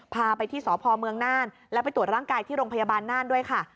พาไปที่สพเมืองน่านแล้วไปตรวจร่างกายที่โรงพยาบาลน่านด้วยค่ะ